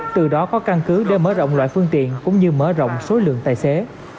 từ đó có căn cứ để mở rộng loại phương tiện cũng như mở rộng số lượng tài xế